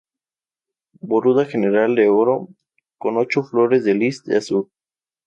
Bordura general de oro, con ocho flores de lis de azur.